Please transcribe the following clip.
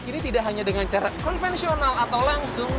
kini tidak hanya dengan cara konvensional atau langsung